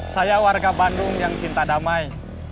saya warga bandung yang cinta damai